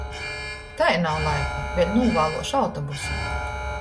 Tai nav laika, vēļ nūvāluošu autobusu!